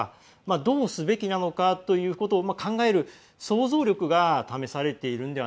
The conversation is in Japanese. どうすべきなのかということを考える想像力が試されているのでは